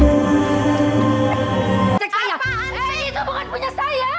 eh itu bukan punya saya